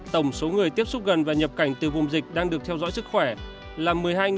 tổng số người tiếp xúc gần và nhập cảnh từ vùng dịch đang được theo dõi sức khỏe là một mươi hai